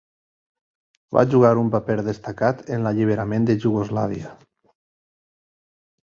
Va jugar un paper destacat en l'alliberament de Iugoslàvia.